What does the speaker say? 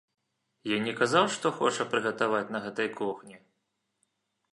Ён не казаў што хоча прыгатаваць на гэтай кухні?